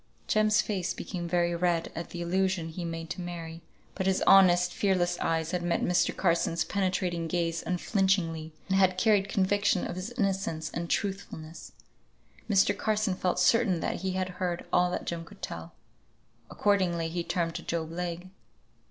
Jem's face became very red at the allusion he made to Mary, but his honest, fearless eyes had met Mr. Carson's penetrating gaze unflinchingly, and had carried conviction of his innocence and truthfulness. Mr. Carson felt certain that he had heard all that Jem could tell. Accordingly he turned to Job Legh.